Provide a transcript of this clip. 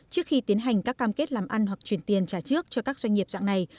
trước khi tiến hành các cam kết làm ăn hoặc chuyển tiền trả trước cho các doanh nghiệp dạng này